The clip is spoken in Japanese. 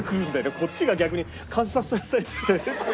こっちが逆に観察されたりして怖いんだよね。